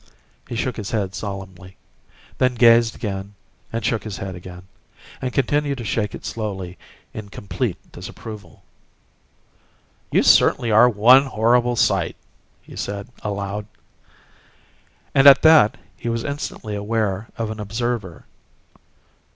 He shook his head solemnly; then gazed again and shook his head again, and continued to shake it slowly, in complete disapproval. "You certainly are one horrible sight!" he said, aloud. And at that he was instantly aware of an observer.